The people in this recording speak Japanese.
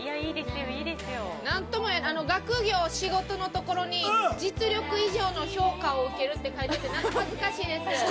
学業、仕事の所に実力以上の評価を受けると書いてあってなんか、恥ずかしいです。